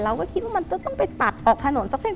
เราก็คิดว่ามันจะต้องไปตัดออกถนนสักเส้น